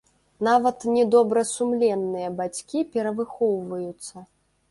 Нават недобрасумленныя бацькі перавыхоўваюцца.